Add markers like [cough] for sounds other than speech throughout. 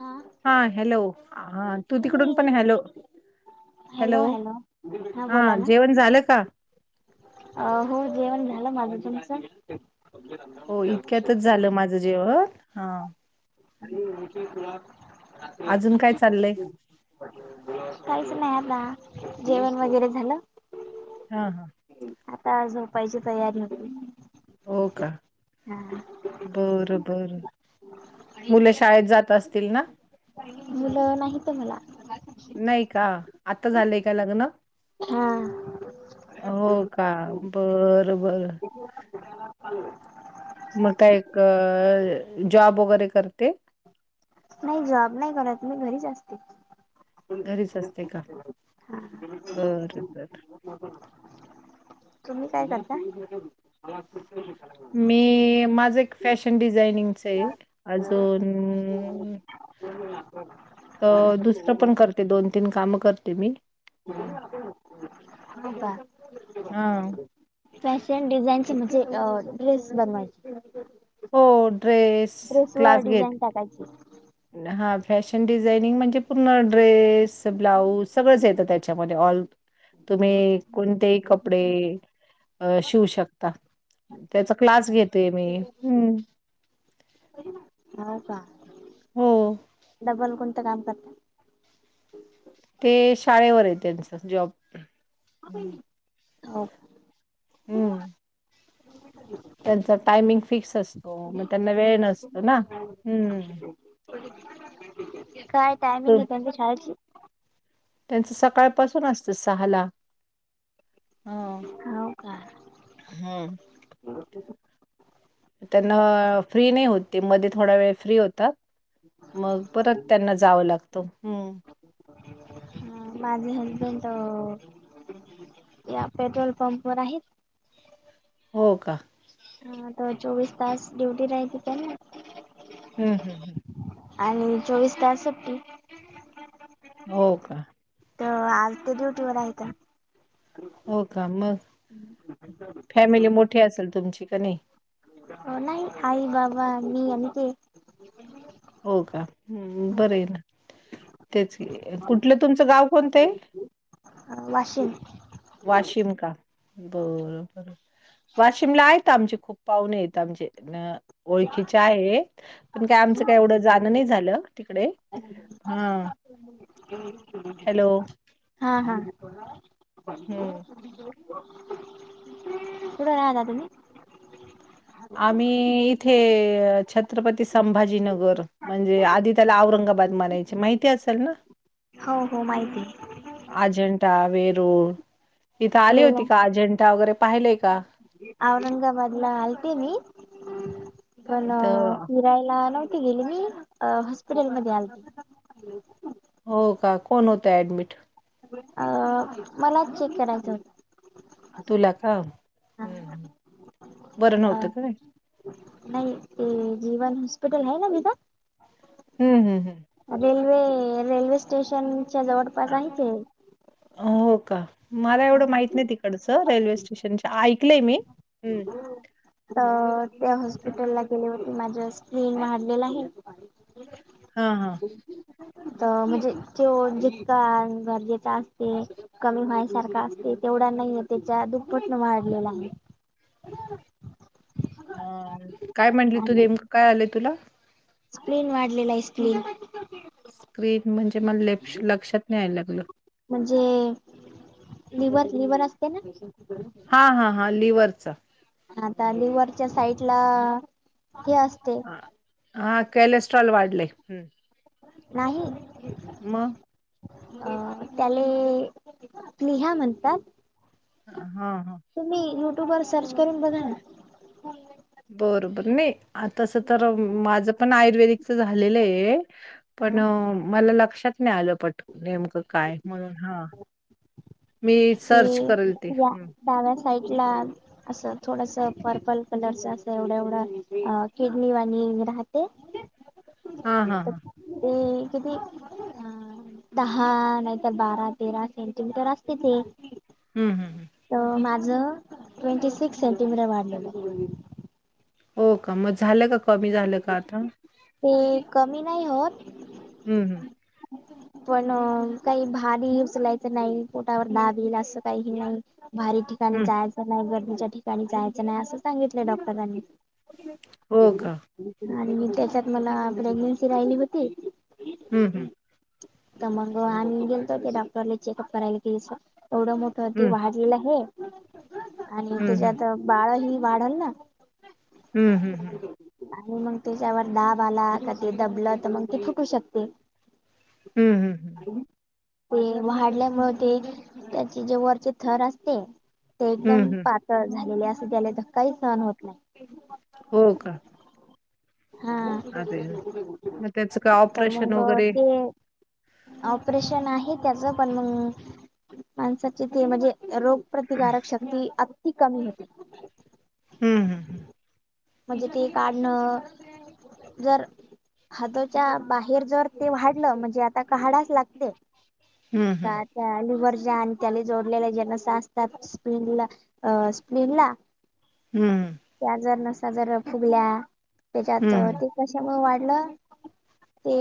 हा हां हॅलो हां तूं तिकडूंन पणं तुम्ही हॅलो हॅलो हां जेवणं झालं कां अं हो जेवणं झालं माझं तूंमचं तुं जेवलांस हां [unintelligible] अजूंन कायं चाललंय कांहींच नाहीं आंता जेवणं वगैरें झालं. हां हां आंता झोपांयची तयारी आहे हो कां बरं बरं मुले शाळेतं जातं असतील नां मुलं नाहींत मलां नाहीं कां आंता झालंय कां लग्नं हा हो कां बरं बरं मगं कायं क अं जॉब वगैरें करते. नाहीं जॉब नाहीं करंत मी घरीचं असते. घरीचं असते कां बरं बरं तुम्हीं कायं करतां? मी माझं एक फॅशन डिझायनिंगच आहे अजूंन हम्मं अं दुसरं पणं करते दोन तीनं कामं करते मी हो हो कां हा फॅशन डिझाईनचे म्हणजे ड्रेस बनवांयचे हो ड्रेस ड्रेस वरं डिझाईन टाकांयची? हो फॅशन डिझांइनिंग म्हणजे पूर्ण ड्रेस ब्लाऊज सगळंच येतं त्यांच्यामध्ये ऑल तुम्हीं कोणतेही कपडे शिवूं शकतांत. त्यांचा क्लांस घेते मी हम्मं हो कां हो डबल कोणतं काम करता. ते शाळेवरय त्यांचं जॉब. हो. हम्म. त्यांचा टायमिंग फिक्स असतो. मग त्यांना वेळ नसतो ना. हम्म. काय टायमिंगय त्यांच्या शाळेची? त्यांचं सकाळपासून असतं सहाला. हं. हो का हम्म. त्यांना फ्री नाही होतं ते, मध्ये थोडा वेळ फ्री होतात. [unintelligible] मग परत त्यांना जावं लागतं. हम्. माझे हजबंड अं या पेट्रोल पंपवर आहेत. हो का. हा तर चौवीस तास ड्युटी राहयती त्यांना. हम्म हम् हम्. आणि चोवीस तास सुट्टी. हो का. तर आज ते ड्युटीवर आहेत. हो का मग, फॅमिली मोठी असेल तुमची कनाही. अं नाही आई बाबा मी आणि हे. हो का. हम् बरय ना, तेच कि कुठलं तुमचं गाव कोणतंय? वाशिम. वाशिम का. बर बर, वाशिम ला आहेत आमचे खूप पाहूनेयत आमचे. ओळखीचे आहेत. पण काय आमचं काही एवढं जाणं नाही झालं तिकडे. हां हॅलो. हा हा. हं. कुठे राहता तुम्ही? आम्ही इथे, छत्रपती संभाजीनगर म्हणजे आधी त्याला औरंगाबाद बाद म्हणायचे माहिती असेल ना. हो हो माहिती अजेंठा वेरूळ, इथं आली होती आहे का? अजेंठा वगैरे पाहिलंय का? औरंगाबादला आलते मी. पण अं इथं पाहयला नव्हती गेली मी, अं हॉस्पिटलमध्ये आलती. हो का. कोण होतं ऍडमिट? अं मलाच चेक करायचं होत. तुला का. बरं हा नव्हतं का काय? नाही ते, जीवन हॉस्पिटल आहे ना तिथं. हम् हम्. रेल्वे रेल्वे स्टेशनच्या जवळ हो का. मला एवढं माहित नाही तिकडच रेल्वे स्टेशन ऐकलय मी. हम्. अ़ं त्या हॉस्पिटलला गेले होते, माझं स्क्रीन हडलेलं आहे. हा हा. अं म्हणजे तो जितका गरजेचा असते. कमी व्हायसारखा असते, तेवढा नाहीे त्याच्या दुप्पटनं वाढलेला आहे. अ काय म्हणली तू नेमकं काय आलंय तुला. स्क्रीन वाढलेला आहे स्क्रीन. स्क्रीन म्हणजे मला लेप लक्षात नाही यायला लागलं. म्हणजे लिवर लिवर असते ना, हा हा हा, लिवरचं आता लिवरच्या साईड ला हे असते. हा हा कॉलेस्ट्रॉल वाढले. नाही. मग अ त्याले प्लिहा म्हणतात. हा हा, तुम्ही यु ट्यूब वर सर्च करून बघा ना. बरोबर नाही आ तसं तर माझं पण आयुर्वेदिकच झालेलं आहे. ना पण मला लक्षात नाही आलं पट नेमकं काय म्हणून हा मी ते सर्च करेल. ते या डाव्या साईड ला असं थोडस पर्पल कलरच अस एवढं एवढं किडनी वाणी राहते. हा ते हा हा किती दहा नाही तर बारा, तेरा सेंटीमीटर असते. ते हम् हम् हम, त.. माझ ट्वेंटी सिक्स सेंटीमीटर वाढलेलं. हो का मग झालं का कमी झालं का आता. ते कमी नाही होत. हम् हम्, पण काही भारी उचलायचं नाही. पोटावर दाब येईल असं काहीही नाही. भारी ठिकाणी हम्म जायचं नाही. गर्दीच्या ठिकाणी जायचं नाही. असं सांगितलं डॉक्टरांनी. हो का आणि मी त्याच्यात मला प्रेग्नेन्सी राहिली होती. हम् हम, तर मग आम्ही गेलतो ते डॉक्टरला चेकअप करायला तिनशे एवढं मोठं ते हम्म वाढलेलं आहे. आणि हम्म हम्म त्याच्यात बाळ हि वाढल न. हम्म हम्म आणि मग त्याच्यावर दाब आला का ते दबलं त मग ते फुटू पण शकते. हम् हम, ते वाढल्यामुळे ते त्याचे जे वरचे थर असते. ते हम्म एकदम हम्म पातळ झालेले असं त्याला धक्काही सहन होत नाही. हो [unintelligible] हा आदेल मग त्याच काय तर ऑपरेशन मग वगैरे ते ऑपरेशन आहे त्याच पण मग माणसाचे ते म्हणजे रोग प्रतिकारक शक्ती अंती कमी होते. हम् हम, म्हणजे ते काढणं जर हाताच्या बाहेर जर ते वाढलं म्हणजे आता काहाढाच लागते. हम्म हम्, का त्या लिवरज्या आणि त्याले जोडलेला ज्या नसा असतात स्पीनला अ.. स्पिनला हम्म, त्यां जरं नसां जरं फुगल्यां त्यांच्यात हं, ते कशां मंग वाढलं. ते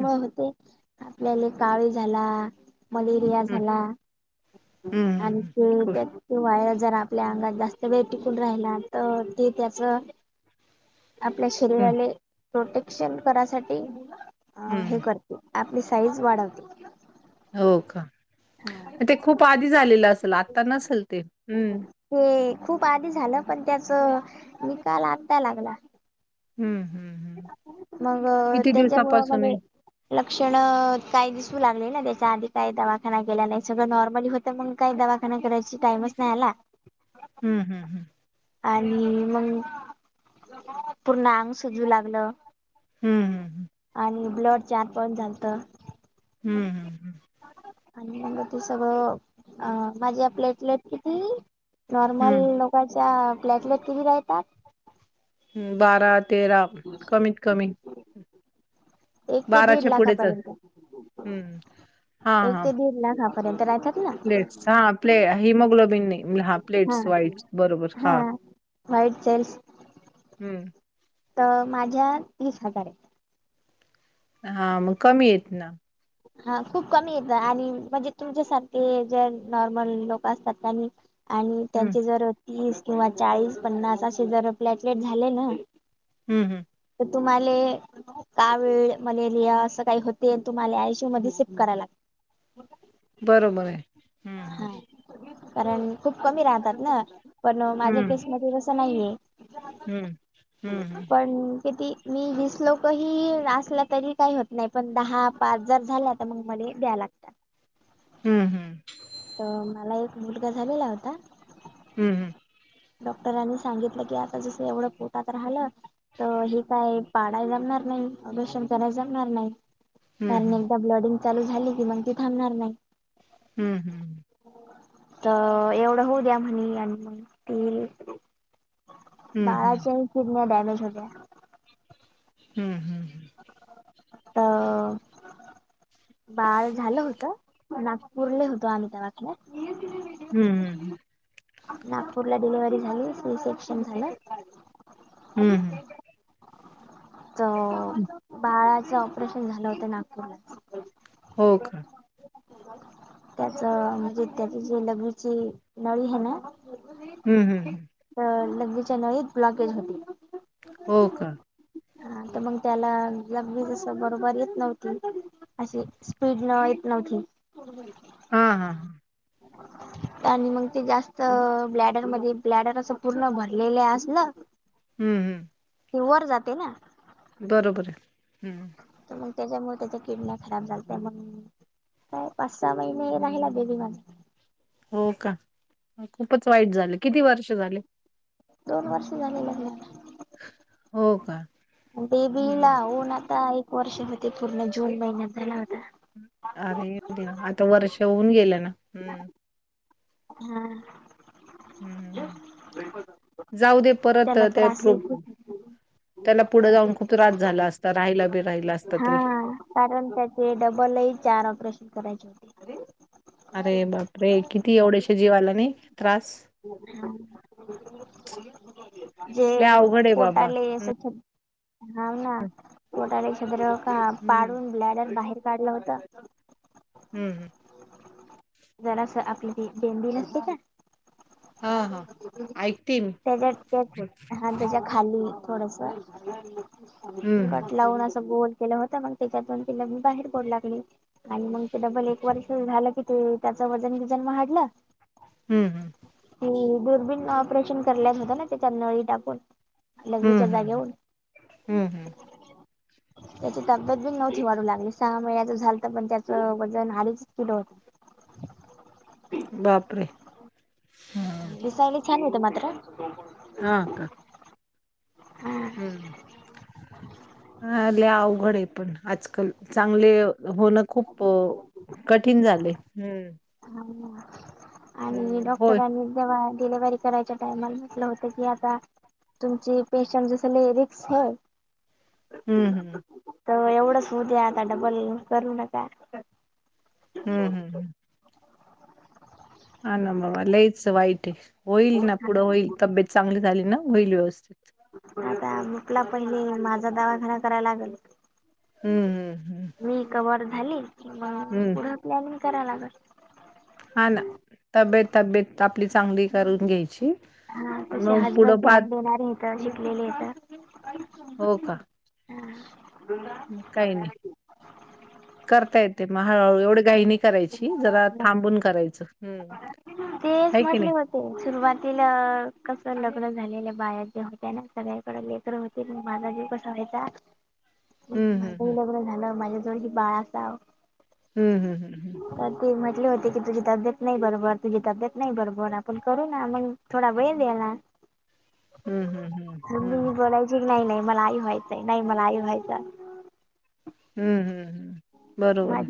हं, होते आपल्यांला कावीळ झालां मलेरिया हं, झालां.. हं, आणखी खूप त्यांत किंवा वायरस जरं आपल्या आंंगात जास्तं वेळ टिकूंन राहिला तरं ते त्यांच आपल्या हं, शरीराले प्रोटेक्शन करांयसाठी हे हं. करतं आपली साईज वाढवते. हो.. कां हा ते खूंप आंधी झालेलं असेल आंता नसेल ते हम्मं हे खूंप आंधी झालं पणं त्यांचं निकांल आंत्ता लागंला हं, हं, हं. मंग.. किती त्यांच्यामुळे दिवसापासून आहे? मध्यें लक्षणं कांहीं दिसूं लागले नां त्यांच्या आंधी कांहीं दवाखांना गेलां नाहीं सगळं नॉर्मली होतं. तरं मंग कांहीं दवाखांना करांयची टाईमयचं नाहीं आंला हम्मं हम्मं हम्मं आणि.. मगं पूर्ण अंग सुंजवूं लागलं. हम्मं आणि ब्लड चार पाईट झालतं. हम्मं हम्मं हम्मं आणि मंग ते सगळं अं.. माझी प्लेटलेट किती? नॉर्मल हं, लोकांच्या प्लॅटलेट किती राहतांत? अं.. बारा -तेरा कमीत कमी एक ते दीड पुढेच अस लाखांपर्यंत.. हं, हां, एक हां, ते दीड लाखांपर्यंत राहतांत. प्लेट्स हां प्ले हिमोग्लोबिन हां प्लेट्स वाईट बरोबर हं व्हाईटं जेल्सं हम्मं तरं माझ्या तीस हजांर आहे. हां मंग कमी येतं नां हां खूंप कमी येतं आणि म्हणजे तुमच्यांसारखे ज्यां नॉर्मल लोकं असतांत त्यांनी आणि हं, त्यांचे जरं तीस किंवा चाळीस पन्नास असे जरं प्लॅटलेट झाले नां हम्मं हम्मं तरं तुम्हांला कावीळ मलेरिया असं कांहीं होते तुम्हांला आयषी मध्यें सिप करांय लागते. बरोबर आहे.. हम्मं.. कारणं खूंप कमी राहतांत नां पणं माझ्या हं, हं, केसंमध्यें तसं नाहीये. हं, हं, हं. पणं किती? मी वीस लोकंही असलां तरी कांहीं होतं नाहीं पणं दहा पांच जरं झालां तरं मंग मले द्यां लागतं हम्मं हम्मं तरं मलां एक मुलंगा झालेला होतां हम्मं हम्मं डॉक्टरांनी सांगितलं की आंता जसं एवढं पोटांत राहिलं तरं हे कायं पाडांय जमणांर नाहीं दर्षण करांयला जमणांर नाहीं हं, कारणं हं. एकदाचं ब्लडिंग चालूं झाली की मंग ती थांबणांर नाहीं हम्मं हम्मं तरं एवढं होऊं द्यां म्हंणे आणि मंग ती हं, हं. बाळांच्याही शिडन डॅमेज होत्यां हम्, हम. आता बाळ झालं होतं. नागपूरले होतो आम्ही त्यावक्तला हम्, हम्म. नागपूरला डिलिव्हरी झाली होती, रिसेप्शन झालं हम्म, हम्. तर, बाळाचं ऑपरेशन झालं होत नागपूरला. हो का? त्याच, म्हणजे त्याची जे लघवीची नळी हे ना. हम्, हम, हम्म तर लगविच्याया नळीत ब्लॉकेज होती. हो, का. मग त्याला लगवि तस बरोबर येत नव्हती. अशी स्पीडन येत नव्हती. हा, हा, हा. आणि मग ते जास्त ब्लॅडरमध्ये ब्लॅडर असं पूर्ण भरलेलं असल. हम्म, हम्. ये वर जाते ना. बरोबर हाय. तर मग त्याच्यामुळे त्याच्या किडन्या खराब झालत्या मग. काय पाच -सहा महिने राहिला बेबी पण. हो, का खूपच वाईट झालं, किती वर्ष झाले? दोन वर्ष झाले लग्नाला. हो का. हं. बेबीला हुन आता एक वर्ष होते पूर्ण जून महिन्यात झाला होता. अरे देवा, आता वर्ष होऊन गेलं ना. हम् हा. हम्म, जाऊ दे परत त्याला ते त्रास आहे प्रूप खूप त्याला पुढं जाऊन खूप त्रास झाला असता, राहिला बि राहिला असता हा तरी. कारण त्याचे डबलई चार ऑपरेशन करायचे होते. अरे बाप रे, किती एवढेशा जीवाला नही, त्रास. हा जे लय अवघड आहे बाबा. पोटाले, असछ हाव ना पोटाले छद्र का हं, हं, पाडून ब्लॅडर बाहेर काढल होत. हम्, हम्. जरास आपली ती बेंंदी नसते का. हां, हां. ऐकते मी. त्येज्यात, त्यात हं, हा त्येज्यात. खाली थोडस हं, कट लावून अस गोल केलं होत मग, त्याच्यात तिला मी बाहेर पडू लागली आणि मग ते डबल एक वर्ष झालं की ते त्याचं वजन, विजन वाढलं. हम्, हम्. ती दुर्बीन ऑपरेशन करल्या होतं ना, त्याच्या नळी टाकून. लघवीच्या हं, हं, जाग्यावून. हं, हं. त्याची तब्येत बी नव्हती वाढू लागली, सहा महिन्याच झालत पण त्याचं वजन आडीच किलो होत. बापरे. हं, दिसायला छान होत मात्र. हा का. हम्. हम. हा, लई अवघड आहे पण. आजकाल, चांगले होणं खूप कठीण झालंय. हम्. हम्, आणि होय. डॉक्टरांनी जेव्हा डिलिव्हरी करायच्या टाइमाला म्हटलं होतं की, आता तुमची पेशंट जसं लई रिक्स हय. हं, हं, तवा एवढंच होऊ द्या, आता डबल करू नका. का? हम् हम् हम. हा ना बाबा, लईच वाईट आहे. होईल ना पुढं होईल, तब्येत चांगली झाली ना होईल व्यवस्थित. आता बुकला पहिले, माझा दवाखाना करायला लागल. हम्म हम्म हम्. मी कव्हर झाली, कि मग पुढे प्लॅनिंग कराय लागल. हा ना, तब्येत तब्येत आपली चांगली करून घ्यायची. हा, तसे मग हजबंड पुढं पाहत ध्यान देणारे आहेत, शिकलेलेतं. हो का, हम्. काही नाही, करता येतंय मग हळूहळू एवढे घाई नाही करायची, जरा थांबून करायचं. हम. तेच आहे की म्हटले नाही. होते सुरुवातीला कसं लग्न झालेल्या बाया जे होत्या ना, सगळ्याकडे लेकरं होते. ते पण माझा जीव कसा व्हायचा हम्म हम्म माझंही लग्न झालं, माझ्या जवळ ही बाळ असावं. हम् हम् हम्म हम. तर ते म्हटले होते की, तुझी तब्येत नाही बरोबर. तुझी तब्येत नाही बरोबर, आपण करू ना मग. थोडा वेळ दे ना. हम्म हम्म हम्म मग मी हम्म बोलायची की, नाही नाही मला आई व्हायचंय नाही मला आई व्हायचं. हम्म हम्म हम्, बरोबर माझ आहे.